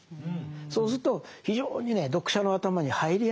そうすると非常にね読者の頭に入りやすいんです。